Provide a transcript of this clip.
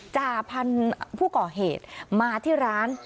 จ่าพันธุ์ผู้ก่อเหตุมาที่ร้าน